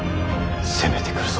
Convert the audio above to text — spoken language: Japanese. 攻めてくるぞ。